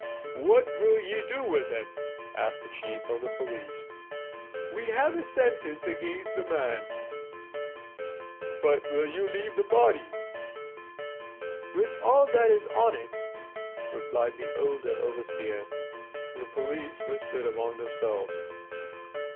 "What will ye do with him?" asked the chief of police. "We have a sentence against the man." "But will ye leave the body?" "With all that is on it," replied the elder overseer. The police whispered among themselves.